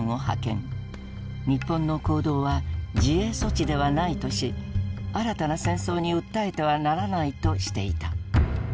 日本の行動は自衛措置ではないとし新たな戦争に訴えてはならないとしていた。